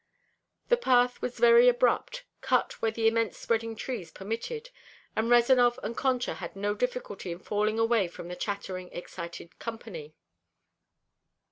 The path was very abrupt, cut where the immense spreading trees permitted, and Rezanov and Concha had no difficulty in falling away from the chattering, excited company.